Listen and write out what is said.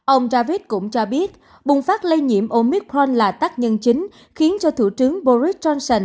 ông javid cũng cho biết bùng phát lây nhiễm omicron là tác nhân chính khiến cho thủ trướng boris johnson